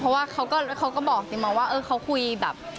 เพราะว่าเขาก็บอกติมาว่าเออเขาคุยแบบ